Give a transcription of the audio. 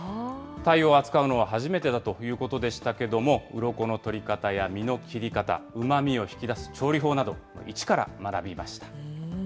タイを扱うのは初めてだということでしたけども、うろこの取り方や、身の切り方、うまみを引き出す調理法など一から学びました。